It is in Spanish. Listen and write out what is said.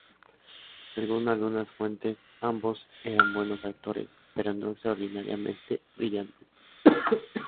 Según algunas fuentes, ambos eran buenos actores, pero no extraordinariamente brillantes.